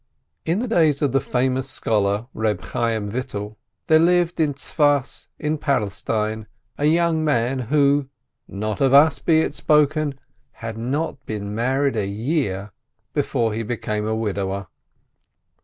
In the days of the famous scholar, Eeb Chayyim Vital, there lived in Safed, in Palestine, a young man who (not of us be it spoken !) had not been married a year before he became a widower.